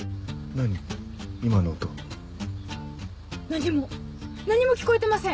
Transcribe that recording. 何も何も聞こえてません。